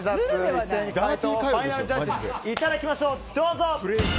一斉に回答をファイナルジャッジいただきましょう。